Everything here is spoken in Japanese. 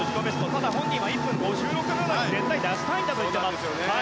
ただ、本人は１分５６秒台を絶対出したいんだと言ってます。